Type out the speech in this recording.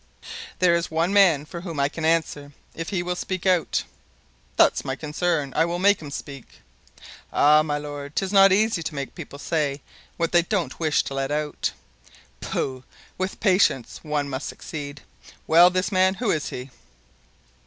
"There is one man for whom I can answer, if he will speak out." "That's my concern; I will make him speak." "Ah, my lord, 'tis not easy to make people say what they don't wish to let out." "Pooh! with patience one must succeed. Well, this man. Who is he?"